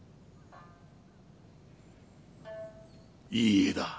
いい絵だ。